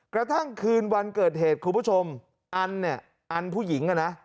กระทั่งคืนวันเกิดเหตุคุณผู้ชมอันผู้หญิง